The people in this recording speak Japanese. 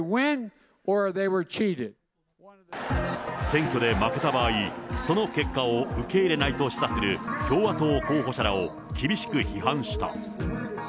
選挙で負けた場合、その結果を受け入れないと示唆する共和党候補者らを厳しく批判した。